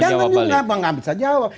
nggak menjawab balik